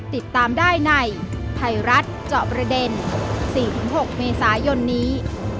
ติดตามได้ในไทยรัฐเจาะประเด็น๔๖เมษายนนี้